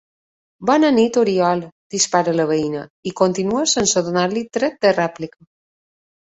Bona nit, Oriol —dispara la veïna, i continua sense donar-li dret de rèplica—.